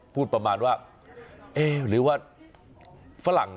พูดประมาณว่า